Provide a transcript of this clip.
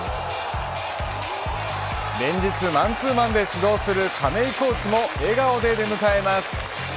連日マンツーマンで指導する亀井コーチも笑顔で出迎えます。